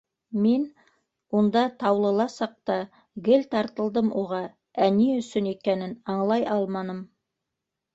Мин унда, Таулыла саҡта, гел тартылдым уға, ә ни өсөн икәнен аңлай алманым.